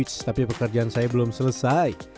ex tapi pekerjaan saya belum selesai